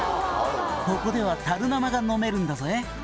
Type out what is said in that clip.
「ここでは樽生が飲めるんだぜ」